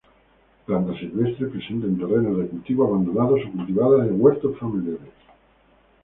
Planta silvestre, presente en terrenos de cultivo abandonados o cultivada en huertos familiares.